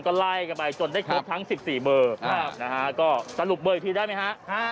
ก็ไล่กันไปจนได้ครบทั้ง๑๔เบอร์นะฮะก็สรุปเบอร์อีกทีได้ไหมฮะ